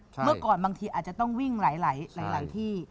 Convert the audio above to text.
เมื่อก่อนบางทีอาจจะต้องวิ่งหลายที่